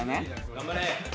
頑張れ。